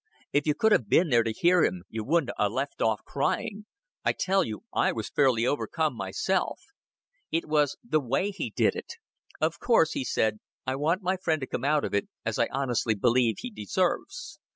If you could have been there to hear him, you wouldn't 'a' left off crying yet. I tell you I was fairly overcome myself. It was the way he did it. 'Of course,' he said, 'I want my friend to come out of it as I honestly believe he deserves.'